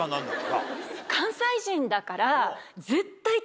関西人だから。